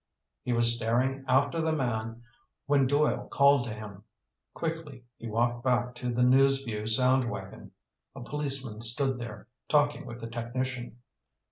He was staring after the man when Doyle called to him. Quickly he walked back to the News Vue sound wagon. A policeman stood there, talking with the technician.